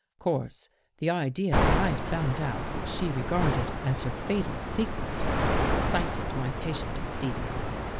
" Of course the idea that I had found out what she regarded as her fatal secret, excited my patient exceedingly.